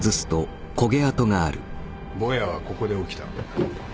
ぼやはここで起きた。